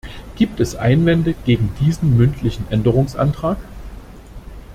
Gibt es Einwände gegen diesen mündlichen Änderungsantrag?